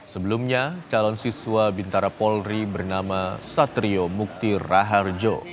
sebelumnya calon siswa bintara polri bernama satrio mukti raharjo